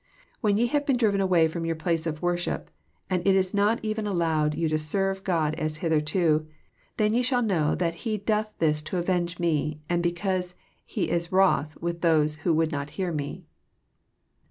When ye have been driven away from your place of wor ship, and it is not even allowed you to serve God as hitherto, then ye shall know that He doth this to avenge Me, and because He is wroth with those who would not hear Me."